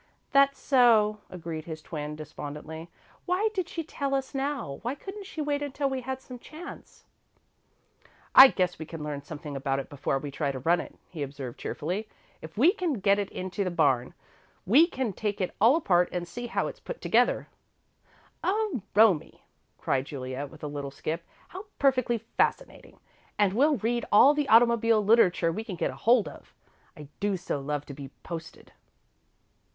"That's so," agreed his twin, despondently. "Why did she tell us now? Why couldn't she wait until we had some chance?" "I guess we can learn something about it before we try to run it," he observed, cheerfully. "If we can get it into the barn, we can take it all apart and see how it's put together." "Oh, Romie!" cried Juliet, with a little skip. "How perfectly fascinating! And we'll read all the automobile literature we can get hold of. I do so love to be posted!"